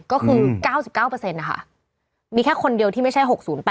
ก็คือ๙๙นะคะมีแค่คนเดียวที่ไม่ใช่๖๐๘